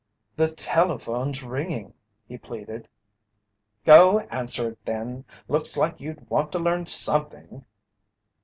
"The telephone's ringing," he pleaded. "Go answer it, then; looks like you'd want to learn something!"